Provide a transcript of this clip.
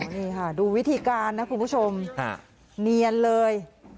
นี่ค่ะดูวิธีการนะคุณผู้ชมเนียนเลย